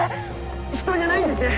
人じゃないんですね？